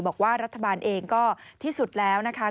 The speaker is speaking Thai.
บอกว่ารัฐบาลเองก็ที่สุดแล้วนะคะ